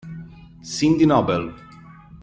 Cindy Noble